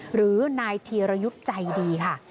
หรือนายธีรยุทธ์ใจดีค่ะ